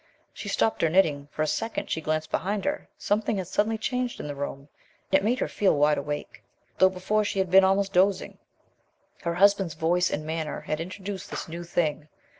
She stopped her knitting. For a second she glanced behind her. Something had suddenly changed in the room, and it made her feel wide awake, though before she had been almost dozing. Her husband's voice and manner had introduced this new thing.